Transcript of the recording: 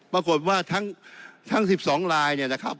ปรากฏว่าทั้ง๑๒ลายเนี่ยนะครับ